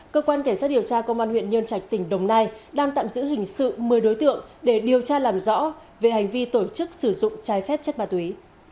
cơ quan cảnh sát điều tra công an huyện nhân trạch tỉnh đồng nai đang tạm giữ hình sự một mươi đối tượng để điều tra làm rõ về hành vi tổ chức sử dụng trái phép chất ma túy